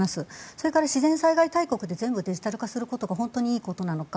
それから、自然災害大国で全部デジタル化することが本当にいいことなのか。